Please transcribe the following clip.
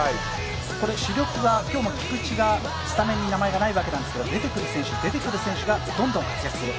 主力が今日も菊池の名前がないんですけど、出てくる選手、出てくる選手がどんどん活躍する。